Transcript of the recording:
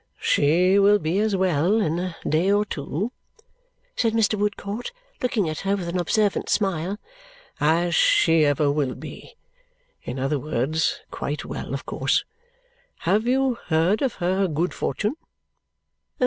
"She will be as well in a day or two," said Mr. Woodcourt, looking at her with an observant smile, "as she ever will be. In other words, quite well of course. Have you heard of her good fortune?"